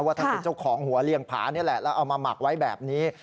ท่านเป็นเจ้าของหัวเลี่ยงผานี่แหละแล้วเอามาหมักไว้แบบนี้